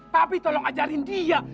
tapi tolong ajari dia